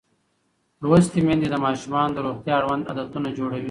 لوستې میندې د ماشومانو د روغتیا اړوند عادتونه جوړوي.